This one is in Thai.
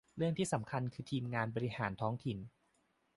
เรื่องที่สำคัญคือทีมบริหารท้องถิ่น